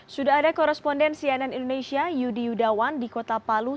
sudah ada koresponden cnn indonesia yudi yudawan di kota palu